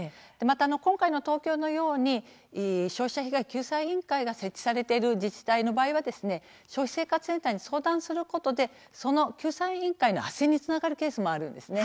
今回の東京のように消費者被害救済委員会が設置されている自治体の場合は消費生活センターに相談することで、その、救済委員会のあっせんにつながるケースもあります。